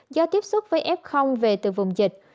do tiếp xúc với f về từ vùng dịch